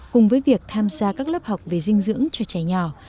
cùng với việc tham gia các lớp học về dinh dưỡng cho trẻ nhỏ